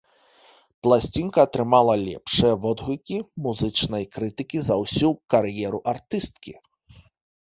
Пласцінка атрымала лепшыя водгукі музычнай крытыкі за ўсю кар'еру артысткі.